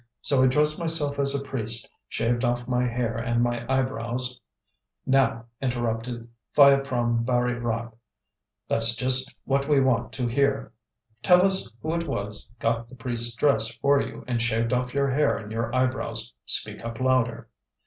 So I dressed myself as a priest, shaved off my hair and my eyebrows " "Now," interrupted P'hayaprome Baree Rak, "that's just what we want to hear. Tell us who it was got the priest's dress for you, and shaved off your hair and your eyebrows. Speak up louder."